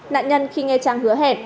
nạn nhân khi nghe trang hứa hẹp